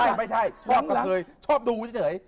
ไม่ใช่ไม่ใช่ชอบก็เคยชอบดูเฉย